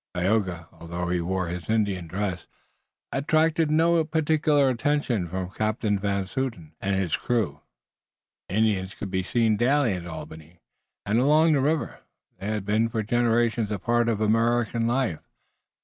Tayoga, although he wore his Indian dress, attracted no particular attention from Captain Van Zouten and his crew. Indians could be seen daily at Albany, and along the river, and they had been for generations a part of American life.